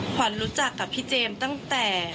ขวัญรู้จักกับพี่เจมส์ตั้งแต่